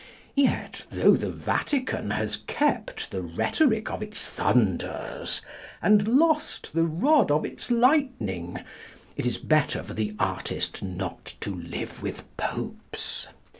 Yet, though the Vatican has kept the rhetoric of its thunders, and lost the rod of its lightning, it is better for the artist not to live with Popes.